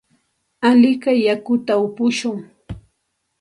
Alikay yakuta upushun.